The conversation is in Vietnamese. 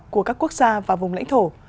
của các quốc gia và vùng lãnh thổ